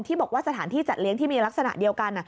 บอกว่าสถานที่จัดเลี้ยงที่มีลักษณะเดียวกัน